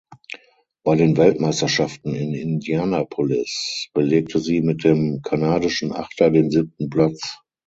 Bei den Weltmeisterschaften in Indianapolis belegte sie mit dem kanadischen Achter den siebten Platz.